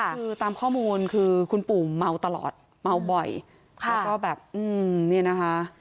คือตามข้อมูลคือคุณปู่เมาตลอดเมาบ่อยแล้วก็แบบอืมเนี่ยนะคะ